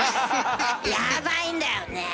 やばいんだよね。